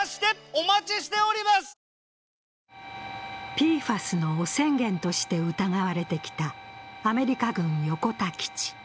ＰＦＡＳの汚染源として疑われてきたアメリカ軍横田基地。